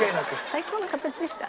最高の形でした？